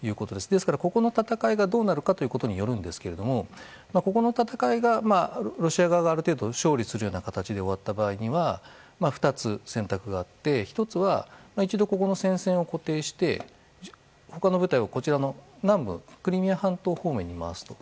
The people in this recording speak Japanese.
ですからここの戦いがどうなるかということにもよるんですがここの戦いが、ロシア側がある程度勝利するような形で終わった場合には２つ選択があって１つは、一度ここの戦線を固定して他の部隊を南部クリミア半島方面に回すと。